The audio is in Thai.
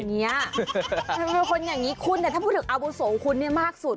ทำไมคุณเป็นคนอย่างนี้คุณแต่ถ้าพูดถึงอาโบสถ์ของคุณมากสุด